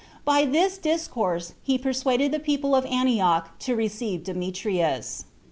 By which discourse he persuaded the people of Antioch to receive Demetrius. 8.